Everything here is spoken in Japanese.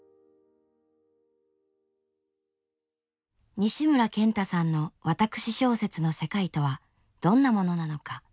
西村賢太さんの私小説の世界とはどんなものなのか。